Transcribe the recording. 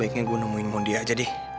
sebaiknya gue nemuin bondi aja deh